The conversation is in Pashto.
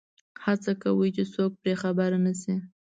هڅه کوي چې څوک پرې خبر نه شي.